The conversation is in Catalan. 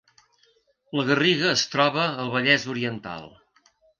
La Garriga es troba al Vallès Oriental